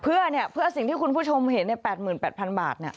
เพื่อสิ่งที่คุณผู้ชมเห็น๘๘๐๐๐บาท